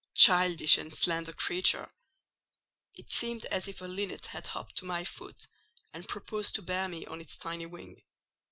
Childish and slender creature! It seemed as if a linnet had hopped to my foot and proposed to bear me on its tiny wing.